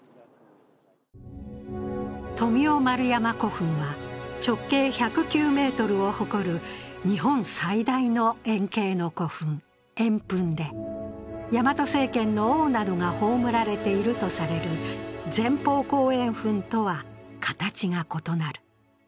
富雄丸山古墳は直径１０９ｍを誇る日本最大の円形の古墳、円墳でヤマト政権の王などが葬られているとされる前方後円墳とは形が異なる。